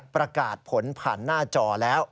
ประกาศผลผ่านหน้าจอแล้ว